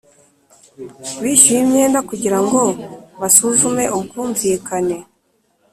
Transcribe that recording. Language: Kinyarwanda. Bishyuye imyenda kugira ngo basuzume ubwumvikane